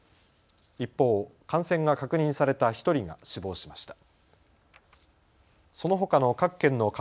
一方、感染が確認された１人が死亡しました。